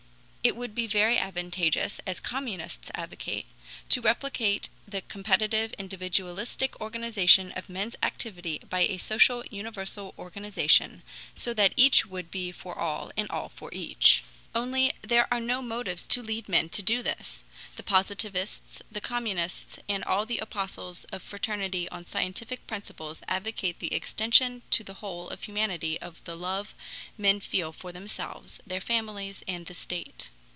It would be very advantageous, as Communists advocate, to replace the competitive, individualistic organization of men's activity by a social universal organization, so that each would be for all and all for each. Only there are no motives to lead men to do this. The Positivists, the Communists, and all the apostles of fraternity on scientific principles advocate the extension to the whole of humanity of the love men feel for themselves, their families, and the state.